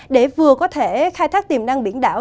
để vừa có thể khai thác tiềm năng biển đảo